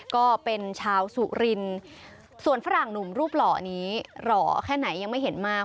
ก็เป็นชาวสุรินส่วนฝรั่งหนุ่มรูปหล่อนี้หล่อแค่ไหนยังไม่เห็นมาก